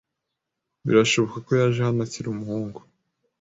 Birashoboka ko yaje hano akiri umuhungu.